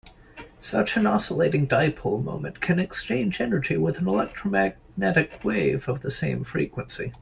Such an oscillating dipole moment can exchange energy with an electromagnetic wave of same frequency.